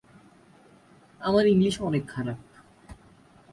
আমার ইংলিশ অনেক খারাপ।